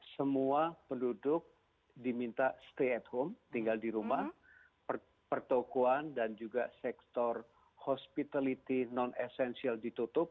semua penduduk diminta stay at home tinggal di rumah pertokoan dan juga sektor hospitality non essential ditutup